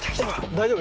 大丈夫。